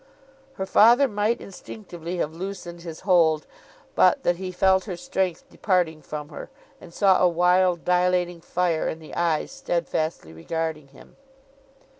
Her father might instinctively have loosened his hold, but that he felt her strength departing from her, and saw a wild dilating fire in the eyes steadfastly regarding him.